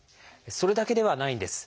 それだけではないんです。